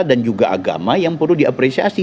dan juga agama yang perlu diapresiasi